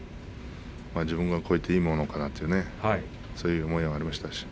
自分が超えていいものかなという、そういう思いはありましたしね。